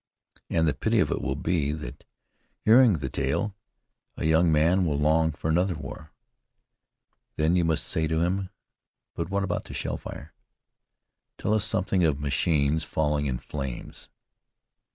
And the pity of it will be that, hearing the tale, a young man will long for another war. Then you must say to him, "But what about the shell fire? Tell us something of machines falling in flames."